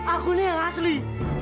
aku ini yang asli